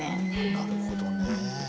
なるほどねえ。